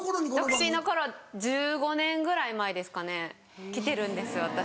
独身の頃１５年ぐらい前ですかね来てるんです私。